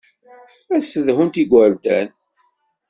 Ad ssedhunt igerdan.